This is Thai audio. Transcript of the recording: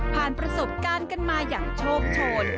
ประสบการณ์กันมาอย่างโชคโชน